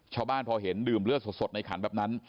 ชาวบ้านพอเห็นดื่มเลือดสดในขันแบบนั้น